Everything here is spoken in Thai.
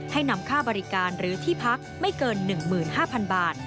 ให้นำค่าบริการหรือที่พักไม่เกิน๑๕๐๐๐บาท